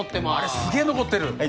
すげえ残ってるはい